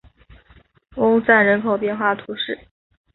翁赞人口变化图示